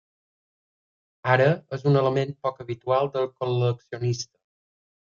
Ara és un element poc habitual del col·leccionista.